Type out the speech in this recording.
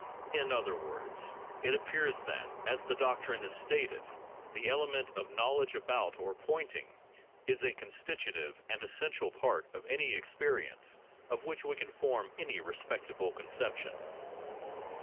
In other words, it appears that, as the doctrine is stated, the element of 'knowledge about' or 'pointing' is a constitutive and essential part of any experience of which we can form any respectable con ception.